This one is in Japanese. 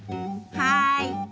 はい！